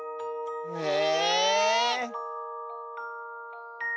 へえ。